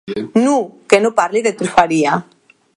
Non, que non parli de trufaria.